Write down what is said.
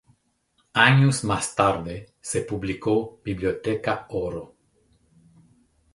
Años más tarde se publicó "Biblioteca Oro.